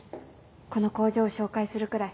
この工場を紹介するくらい。